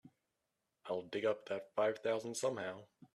I'll dig up that five thousand somehow.